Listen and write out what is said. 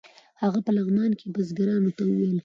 هغه په لغمان کې بزګرانو ته ویل.